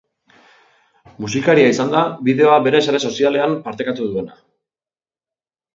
Musikaria izan da bideoa bere sare sozialean partekatu duena.